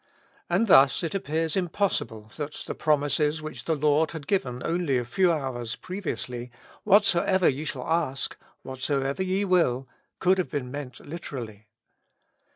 And thus it appears impossible that the promises which the Lord had given only a few hours pre viously, "Whatsoever ye shall ask," "Whatso ever YE WILL," could have been meant literally.